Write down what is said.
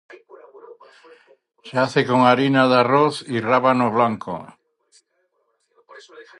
Se hace con harina de arroz y rábano blanco.